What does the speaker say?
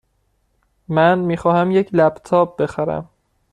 من می خواهم یک لپ تاپ بخرم.